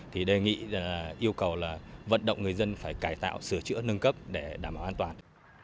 thì đề nghị yêu cầu là vận động người dân phải cải tạo sửa chữa nâng cấp để đảm bảo an toàn